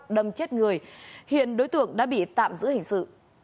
đâm chết người hiện đối tượng đã bị tạm giữ hình sự